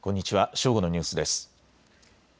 正午のニュースです。